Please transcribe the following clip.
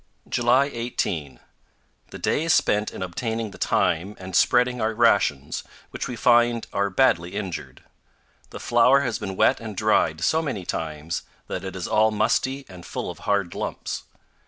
JULY 18. The day is spent in obtaining the time and spreading our rations, which we find are badly injured. The flour has been wet and dried so many times that it is all musty and full of hard lumps.